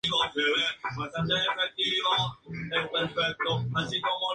Diputado en las Cortes Generales.